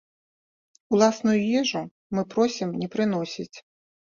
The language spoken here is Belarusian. Уласную ежу мы просім не прыносіць.